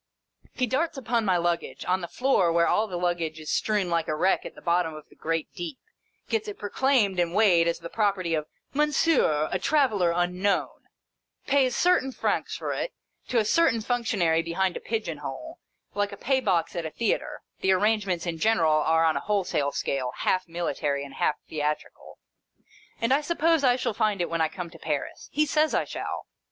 He darts upon my luggage, on the floor where all the luggage is strewn like a wreck at the bottom of the great deep ; gets it proclaimed and weighed as the property of " Monsieur a traveller unknown ;" pays certain francs for it, to a certain functionary behind a Pigeon Hole, like a pay box at a Theatre (the arrangements in general are on a wholesale scale, half military and half theatrical) ; and I suppose I shall find it when I come to Paris — he says I shall.